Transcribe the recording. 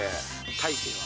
大勢は。